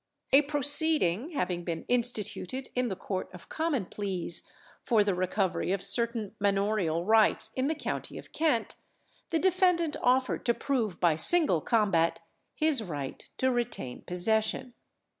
A proceeding having been instituted in the Court of Common Pleas for the recovery of certain manorial rights in the county of Kent, the defendant offered to prove by single combat his right to retain possession.